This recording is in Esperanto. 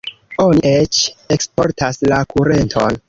Oni eĉ eksportas la kurenton.